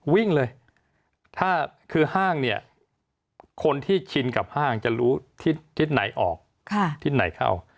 วิ่งเลยถ้าคือห้างเนี่ยคนที่ชินกับห้างจะรู้ทิศไหนออกทิศไหนเข้า